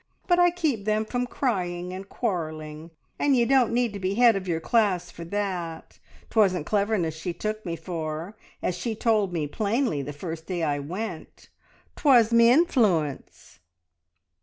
But I keep them from crying and quarrelling, and ye don't need to be head of your class for that! 'Twasn't cleverness she took me for, as she told me plainly the first day I went; 'twas m'influence!"